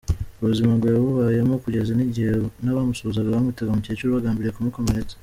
Ubwo buzima ngo yabubayemo kugeza n’igihe n’abamusuhuzaga bamwitaga mukecuru bagambiriye kumukomeretsa.